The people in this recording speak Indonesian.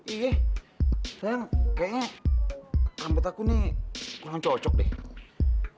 iya sayang kayaknya rambut aku nih kurang cocok deh